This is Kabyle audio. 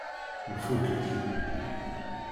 Nfukk-it.